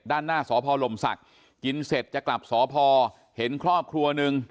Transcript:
ด้านหน้าสพลมศักดิ์กินเสร็จจะกลับสพเห็นครอบครัวหนึ่ง